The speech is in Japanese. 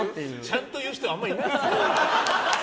ちゃんと言う人あんまりいないですよ。